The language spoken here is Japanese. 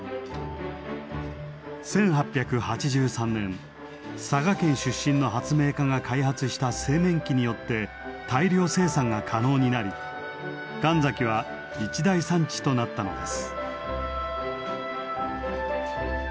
１８８３年佐賀県出身の発明家が開発した製麺機によって大量生産が可能になり神埼は一大産地となったのです。